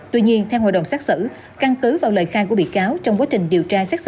tuy nhiên theo hội đồng xác xử căn cứ vào lời khai của bị cáo trong quá trình điều tra xét xử